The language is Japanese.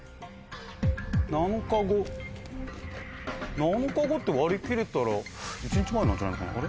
７日後って割り切れたら１日前なんじゃないのかなあれ？